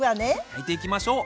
焼いていきましょう。